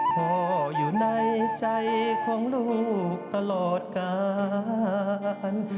พ่ออยู่ในใจของลูกตลอดกาล